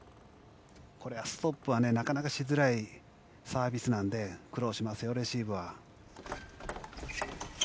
これはストップがなかなかしづらいサービスなので苦労しますよ、レシーブは。